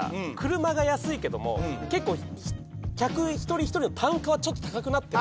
車が安いけども結構客一人一人の単価はちょっと高くなってる。